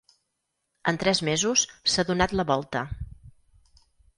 En tres mesos, s’ha donat la volta.